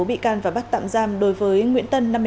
bị can và bắt tạm giam đối với nguyễn tân